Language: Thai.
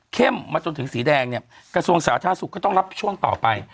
มาจนถึงสีแดงเนี่ยกระทรวงสาธารณสุขก็ต้องรับช่วงต่อไป